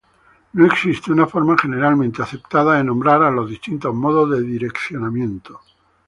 No existe una forma generalmente aceptada de nombrar a los distintos modos de direccionamiento.